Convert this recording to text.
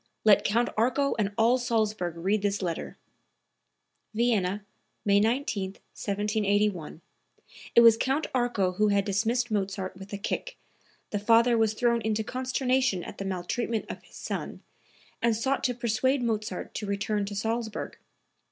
Let Count Arco and all Salzburg read this letter." (Vienna, May 19, 1781. It was Count Arco who had dismissed Mozart with a kick. The father was thrown into consternation at the maltreatment of his son and sought to persuade Mozart to return to Salzburg.